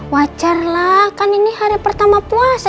wajarlah kan ini hari pertama puasa